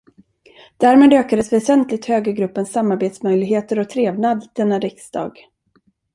Därmed ökades väsentligt högergruppens samarbetsmöjligheter och trevnad denna riksdag.